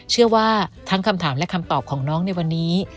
เชื่อว่าทั้งคำถามและคำตอบของน้องในวันนี้